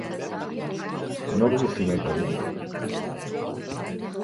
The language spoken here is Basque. Nor busti nahiko du?